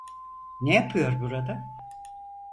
Ne yapıyor burada?